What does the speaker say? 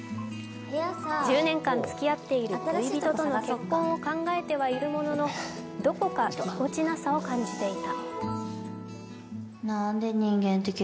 １０年間つきあっている恋人との結婚を考えてはいるものの、どこかぎこちなさを感じていた。